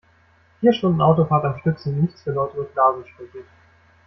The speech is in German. Vier Stunden Autofahrt am Stück sind nichts für Leute mit Blasenschwäche.